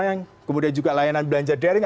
yang kemudian juga layanan belanja daring